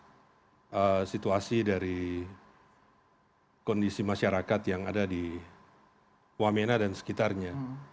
bagaimana situasi dari kondisi masyarakat yang ada di wamena dan sekitarnya